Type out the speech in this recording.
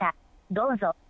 どうぞ。